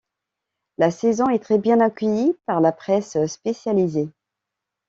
La saison est très bien accueillie par la presse spécialisée.